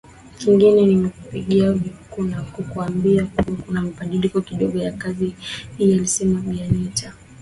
Kingine nimekupigia kukuambia kuwa kuna mabadiliko kidogo ya kazi hii alisema bi anita